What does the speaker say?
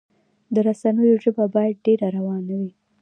د رسنیو ژبه باید ډیره روانه وي.